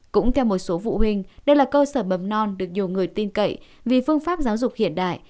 cũng theo một số phụ huynh đây là cơ sở mầm non được nhiều người tin cậy vì phương pháp giáo dục hiện đại